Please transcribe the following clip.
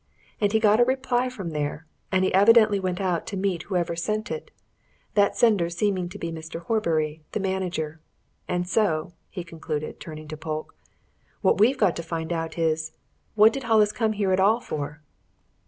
And he got a reply from there, and he evidently went out to meet whoever sent it that sender seeming to be Mr. Horbury, the manager. And so," he concluded, turning to Polke, "what we've got to find out is what did Hollis come here at all for?"